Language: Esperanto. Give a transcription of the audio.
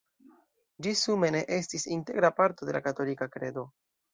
Ĝi sume ne estis "integra parto de la katolika kredo".